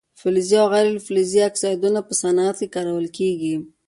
فلزي او غیر فلزي اکسایدونه په صنعت کې کارول کیږي.